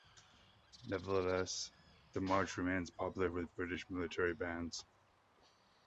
Nevertheless, the march remains popular with British military bands.